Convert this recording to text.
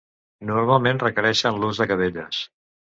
Normalment requereixen l'ús de gavelles.